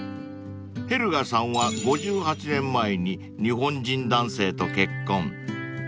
［ヘルガさんは５８年前に日本人男性と結婚］